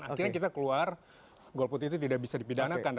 akhirnya kita keluar golput itu tidak bisa dipidanakan